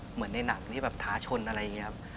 เหมือนในหนังที่แบบท้าชนอะไรอย่างนี้ครับ